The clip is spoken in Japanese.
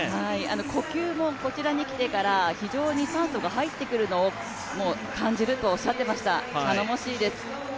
呼吸もこちらに来てから非常に酸素が入ってくるのを感じるとおっしゃっていました、頼もしいです。